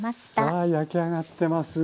さあ焼き上がってます。